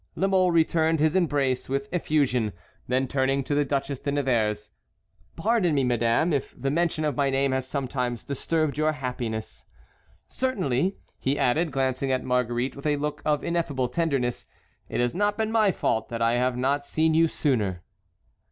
La Mole returned his embrace with effusion; then, turning to the Duchesse de Nevers: "Pardon me, madame, if the mention of my name has sometimes disturbed your happiness." "Certainly," he added, glancing at Marguerite with a look of ineffable tenderness, "it has not been my fault that I have not seen you sooner."